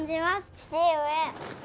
父上。